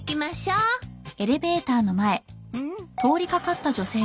うん？